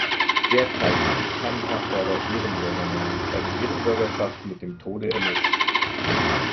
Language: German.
Derzeit gibt es keinen Herforder Ehrenbürger mehr, da die Ehrenbürgerschaft mit dem Tode erlischt.